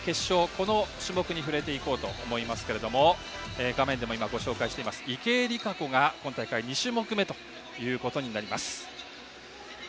この種目に触れていこうと思いますけれども画面でもご紹介しています池江璃花子が今大会２種目です。